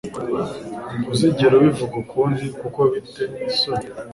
Ntuzigera ubivuga ukundi kuko bite isoni.